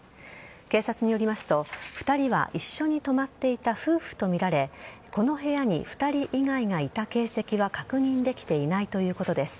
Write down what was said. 警察によりますと２人は一緒に泊まっていた夫婦とみられこの部屋に２人以外がいた形跡は確認できていないということです。